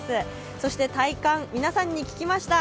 そして、体感皆さんに聞きました。